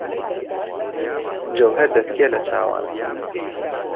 جهوههردهتکێ له چاوان